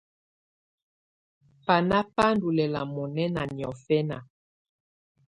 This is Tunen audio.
Banà bà ndù lɛla munɛna niɔ̀fɛna.